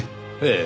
ええ。